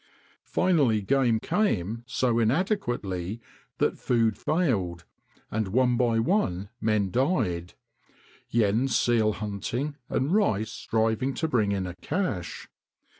Finally game came so inadequately that food failed, and one by one men died—Jens seal hunting, and Rice striving to bring in a cache.